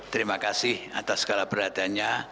terima kasih atas segala perhatiannya